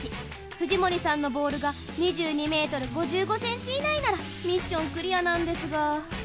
藤森さんのボールが２２ｍ５５ｃｍ以内ならミッションクリアなんですが。